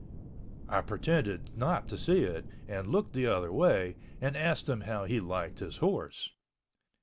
I pretended not to see it and looked the other way, and asked him how he liked his horse.